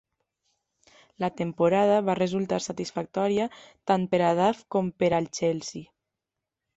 La temporada va resultar satisfactòria tant per a Duff com per al Chelsea.